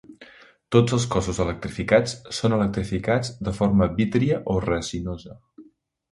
Tots els cossos electrificats són electrificats de forma vítria o resinosa.